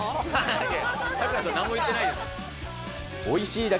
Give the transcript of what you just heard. おいしいー！